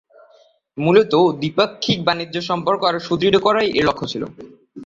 মূলত দ্বিপাক্ষিক বাণিজ্য সম্পর্ক আরো সুদৃঢ় করাই এর লক্ষ্য ছিল।